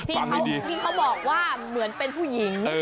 ที่เขาบอกว่าเหมือนเป็นผู้หญิง